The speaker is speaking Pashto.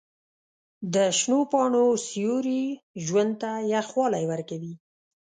د شنو پاڼو سیوري ژوند ته یخوالی ورکوي.